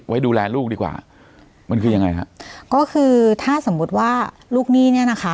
ไว้ดูแลลูกดีกว่ามันคือยังไงฮะก็คือถ้าสมมุติว่าลูกหนี้เนี้ยนะคะ